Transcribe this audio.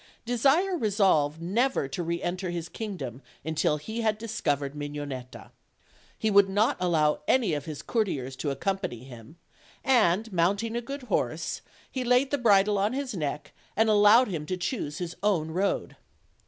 Desire resolved never to re enter his kingdom until he had discovered Mignonetta. He would not allow any of his courtiers to accompany him, and mounting a good horse, he laid the bridle on his neck and allowed him to choose his own road.